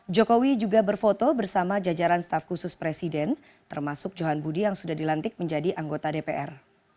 jokowi juga berfoto bersama jajaran staf khusus presiden termasuk johan budi yang sudah dilantik menjadi anggota dpr